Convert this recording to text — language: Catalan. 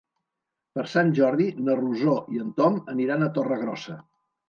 Per Sant Jordi na Rosó i en Tom aniran a Torregrossa.